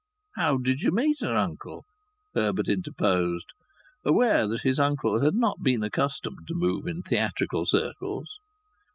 "How did you meet her, uncle?" Herbert interposed, aware that his uncle had not been accustomed to move in theatrical circles.